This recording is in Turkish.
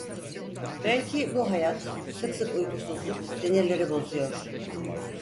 Belki bu hayat, sık sık uykusuzluk sinirleri bozuyor!